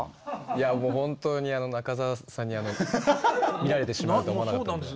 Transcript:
いや本当に中澤さんに見られてしまうと思わなかったんで。